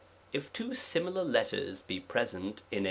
If two similar letters be present in.